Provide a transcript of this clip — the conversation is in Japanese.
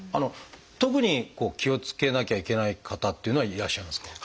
特に気をつけなきゃいけない方というのはいらっしゃいますか？